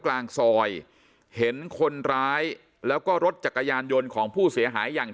กลางซอยเห็นคนร้ายแล้วก็รถจักรยานยนต์ของผู้เสียหายอย่าง